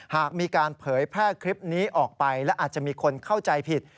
หากมีการเผยแพร่คลิปนี้ออกไปและอาจจะมีคนเข้าใจผิด